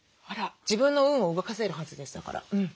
自分の運を動かせるはずですだから。